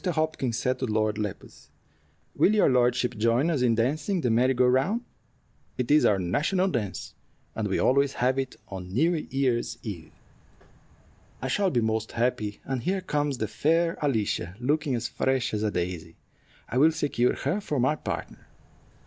Hopkins said to Lord Lepus, "Will your lordship join us in dancing the merry go round? It is our national dance, and we always have it on New Year's Eve." "I shall be most happy; and here comes the fair Alicia, looking as fresh as a daisy. I will secure her for my partner."